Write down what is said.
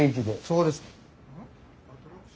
そうです。